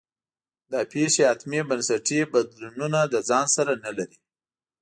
دا پېښې حتمي بنسټي بدلونونه له ځان سره نه لري.